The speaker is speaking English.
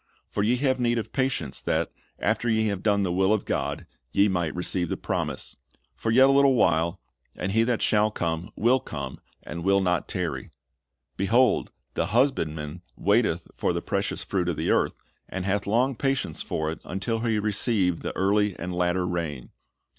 For ye have need of patience, that, after ye have done the will of God, ye might receive the promise. For yet a little while, and He that shall come will come, and will not tarry. "^ "Behold, the husbandman waiteth for the precious fruit of the earth, and hath long patience for it, until he receive the early and latter rain.